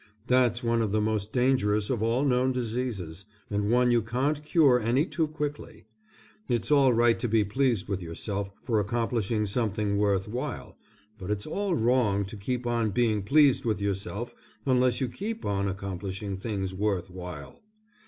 That's one of the most dangerous of all known diseases, and one you can't cure any too quickly. It's all right to be pleased with yourself for accomplishing something worth while, but it's all wrong to keep on being pleased with yourself unless you keep on accomplishing things worth while.